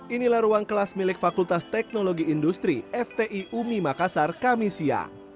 inilah ruang kelas milik fakultas teknologi industri fti umi makassar kamisia